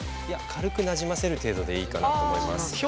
いや軽くなじませる程度でいいかなと思います。